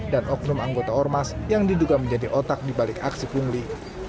dan oknum anggota ormas yang diduga menjadi otak dibalik aksi pungli